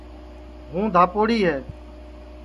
ہُوں دھاپوڑا ہے